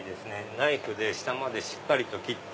ナイフで下までしっかりと切って。